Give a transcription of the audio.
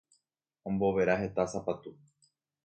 Ombovera heta sapatu.